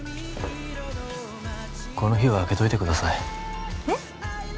この日は空けといてくださいえっ？